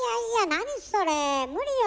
何それ無理よ。